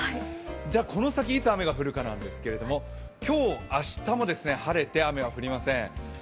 この先、いつ雨が降るかなんですけど、今日、明日も晴れて雨は降りません